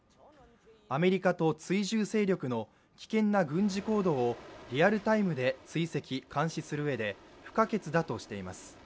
アメリカと追従勢力の危険な軍事行動を、リアルタイムで追跡、監視するうえで不可欠だとしています。